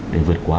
để vượt qua